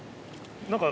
何か。